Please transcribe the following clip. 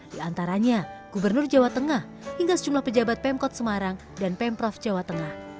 di antaranya gubernur jawa tengah hingga sejumlah pejabat pemkot semarang dan pemprov jawa tengah